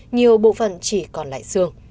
nhiều bộ phần chỉ còn lại xương